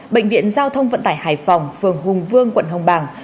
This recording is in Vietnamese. bệnh viện giao thông vận tải hải phòng phường hùng vương quận hồng bàng